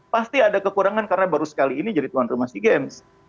pasti ada kekurangan karena baru sekali ini jadi tuan rumah sea games